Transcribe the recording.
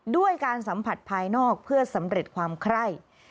ด้วยการสัมผัสภายนอกเพื่อสำเร็จความไคร่